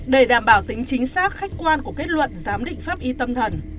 để đảm bảo tính chính xác khách quan của kết luận giám định pháp y tâm thần